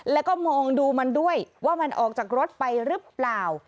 แล้วก็มองดูมันด้วยว่ามันออกจากรถไปหรือเปล่า